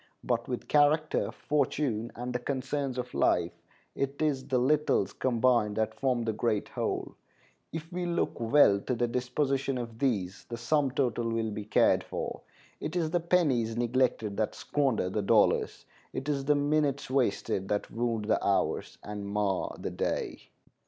But with character, fortune, and the concerns of life, it is the littles combined that form the great whole. If we look well to the disposition of these, the sum total will be cared for. It is the pennies neglected that squander the dollars. It is the minutes wasted that wound the hours, and mar the day.